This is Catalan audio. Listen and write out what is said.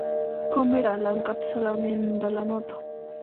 Com era l'encapçalament de la nota?